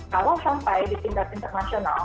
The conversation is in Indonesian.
kalau sampai di tingkat internasional